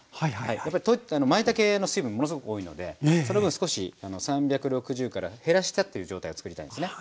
まいたけの水分ものすごく多いのでその分少し３６０から減らしたっていう状態を作りたいんですね。